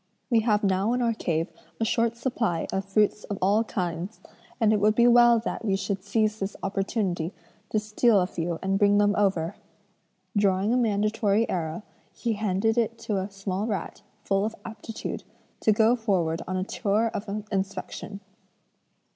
We have now in our cave a short supply of fruits of all kinds, and it would be well that we should seize this opportunity to steal a few and bring them over.' Drawing a mandatory arrow, he handed it to a small rat, full of aptitude, to go forward on a tour of inspection.